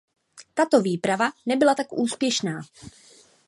Tato výprava nebyla tak úspěšná.